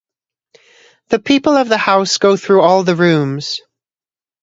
The people of the house go through all the rooms.